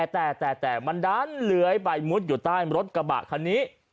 แต่มันดันเลื้อยไปมุดอยู่ใต้รถกระบะคันนี้